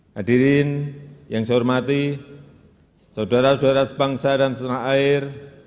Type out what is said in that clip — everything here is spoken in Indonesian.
hadirin yang saya hormati saudara saudara sebangsa dan setanah air